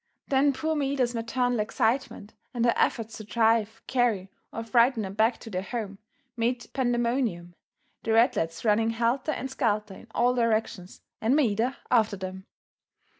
Then poor Maida's maternal excitement and her efforts to drive, carry or frighten them back to their home, made pandemonium, the ratlets running helter and skelter in all directions and Maida after them.